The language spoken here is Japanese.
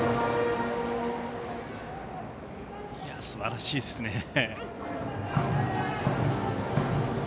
すばらしいですね。